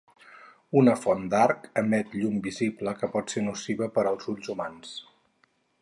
Una font d'arc emet llum visible que pot ser nociva per als ulls humans.